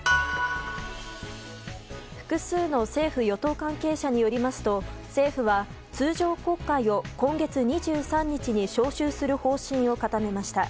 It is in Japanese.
複数の政府・与党関係者によりますと政府は通常国会を今月２３日に召集する方針を固めました。